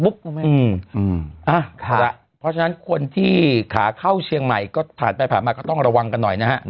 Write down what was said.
เพราะฉะนั้นคนที่ขาเข้าเชียงใหม่ก็ผ่านไปผ่านมาก็ต้องระวังกันหน่อยนะฮะ